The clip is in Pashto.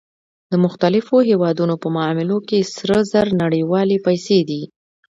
د مختلفو هېوادونو په معاملو کې سره زر نړیوالې پیسې دي